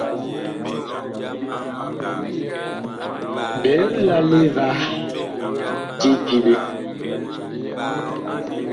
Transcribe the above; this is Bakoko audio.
Biig lale va je diɓe.